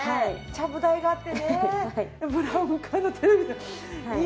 ちゃぶ台があってね